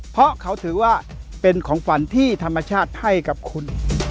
เพราะเขาถือว่าเป็นของขวัญที่ธรรมชาติให้กับคุณ